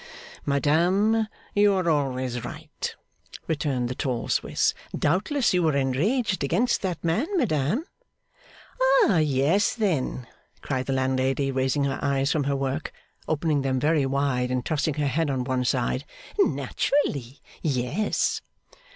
'Madame, you are always right,' returned the tall Swiss. 'Doubtless you were enraged against that man, madame?' 'Ay, yes, then!' cried the landlady, raising her eyes from her work, opening them very wide, and tossing her head on one side. 'Naturally, yes.